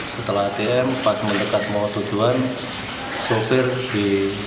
setelah atm pas mendekat mau tujuan sopir di